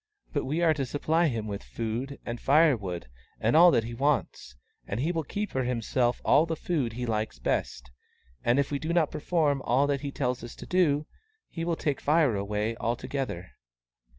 But we are to supply him with food, and firewood, and all that he wants, and he will keep for himself all the food he likes best. And if we do not perform all that he tells us to do, he will take Fire away altogether."